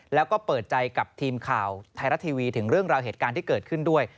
แล้วก็เปิดใจกับทีมข่าวไทยรัฐทีวีถึงเรื่องราวเหตุการณ์ที่เกิดขึ้นด้วย